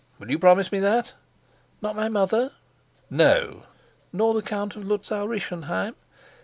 Will you promise me that?" "Not my mother?" "No." "Nor the Count of Luzau Rischenheim?"